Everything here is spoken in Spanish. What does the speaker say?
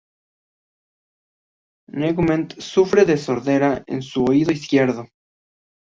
Nugent sufre de sordera en su oído izquierdo.